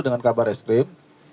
dengan kabar es krim